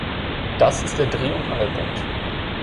Das ist der Dreh- und Angelpunkt.